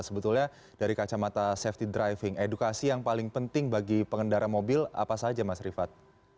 sebetulnya dari kacamata safety driving edukasi yang paling penting bagi pengendara mobil apa saja mas rifat